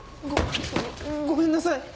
ごごめんなさい。